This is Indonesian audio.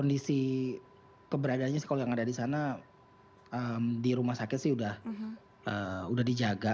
kondisi keberadaannya sih kalau yang ada di sana di rumah sakit sih udah dijaga